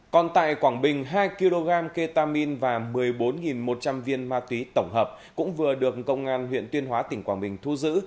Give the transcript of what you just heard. còn tại quảng bình hai kg ketamin và một mươi bốn một trăm linh viên ma túy tổng hợp cũng vừa được công an huyện tuyên hóa tỉnh quảng bình thu giữ